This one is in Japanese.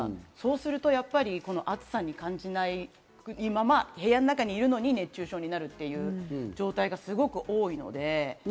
すると暑さに感じない、部屋の中にいるのに熱中症になるっていう状態がすごく多いので。